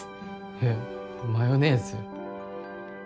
えっマヨネーズ？